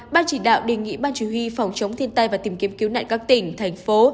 ban chỉ đạo đề nghị ban chủ huy phòng chống thiên tai và tìm kiếm cứu nạn các tỉnh thành phố